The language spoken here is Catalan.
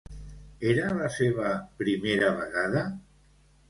Era la seva primera vegada?